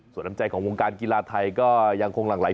ส่วนน้ำใจของวงการกีฬาไทยก็ยังคงหลั่งไหล